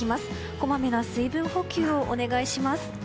こまめな水分補給をお願いします。